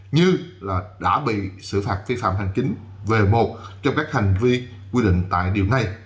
như là đã bị xử phạt phi phạm hành chính về một trong các hành vi quy định tại điều này